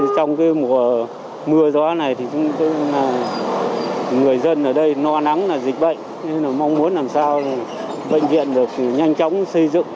trong mùa mưa gió này thì chúng tôi người dân ở đây no nắng là dịch bệnh nên mong muốn làm sao bệnh viện được nhanh chóng xây dựng